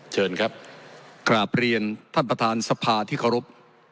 เชิญครับกราบเรียนท่านประธานสภาที่เคารพ